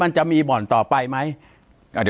ปากกับภาคภูมิ